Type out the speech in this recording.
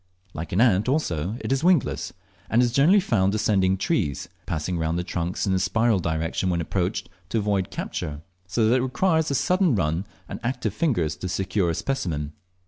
Like an ant also it is wingless, and is generally found ascending trees, passing around the trunks in a spiral direction when approached, to avoid capture, so that it requires a sudden run and active fingers to secure a specimen.